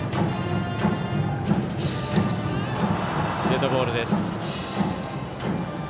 デッドボールです。